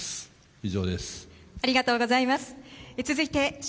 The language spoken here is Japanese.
以上です。